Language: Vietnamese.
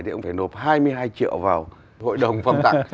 thì cũng phải nộp hai mươi hai triệu vào hội đồng phong tặng